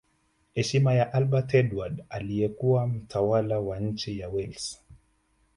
Heshima ya Albert Edward aliyekuwa mtawala wa nchi ya Wales